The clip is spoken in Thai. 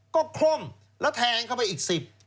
ก็คล่อมแล้วแทงเข้าไปอีก๑๐